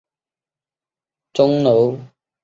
后曾悬挂于西安钟楼。